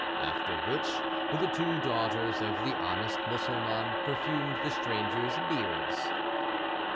After which the two daughters of the honest Mussulman perfumed the strangers' beards.